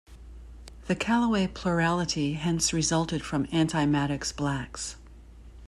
The Callaway plurality hence resulted from anti-Maddox blacks.